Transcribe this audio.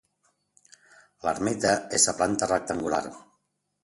L'Ermita és de planta rectangular.